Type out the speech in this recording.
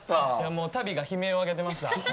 もう足袋が悲鳴を上げてました。